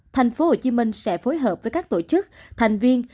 thành phố hồ chí minh sẽ phối hợp với các tổ chức thành viên